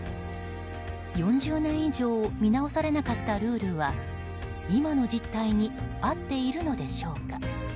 ４０年以上見直されなかったルールは今の実態に合っているのでしょうか。